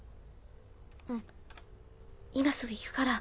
うん今すぐ行くから。